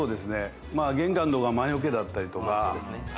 玄関は魔よけだったりとか。